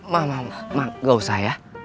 ma ma ma gak usah ya